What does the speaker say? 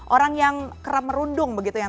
orang yang kerap merundung begitu yang